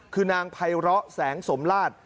คือนางไพร้อแสงสมราช